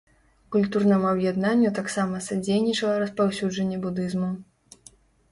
Культурнаму аб'яднанню таксама садзейнічала распаўсюджанне будызму.